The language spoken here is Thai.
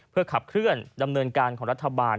เพื่อขับเคลื่อนดำเนินการของรัฐบาล